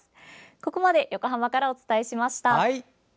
ここまで横浜からお伝えしました。